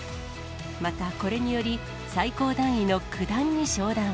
またこれにより、最高段位の九段に昇段。